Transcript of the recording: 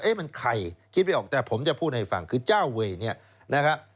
มันใครคิดไม่ออกแต่ผมจะพูดให้ฟังคือเจ้าเวย์เนี่ยนะครับ